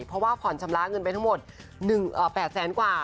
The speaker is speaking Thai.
เพราะว่าผ่อนชำระเงินไปทั้งหมด๘แสนกว่า